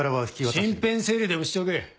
身辺整理でもしておけ。